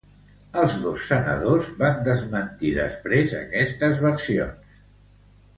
Els dos senadors van desmentir després estes versions.